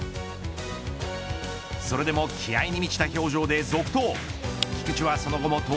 それでも気合に満ちた表情で続投